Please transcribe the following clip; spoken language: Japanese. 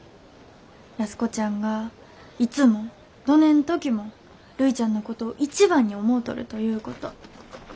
安子ちゃんがいつもどねん時もるいちゃんのことを一番に思うとるということ。